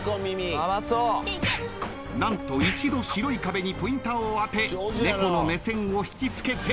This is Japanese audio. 何と一度白い壁にポインターを当て猫の目線を引き付けて。